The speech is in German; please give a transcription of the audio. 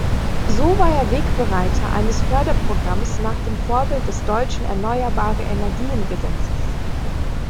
So war er Wegbereiter eines Förderprogramms nach dem Vorbild des deutschen Erneuerbare-Energien-Gesetzes.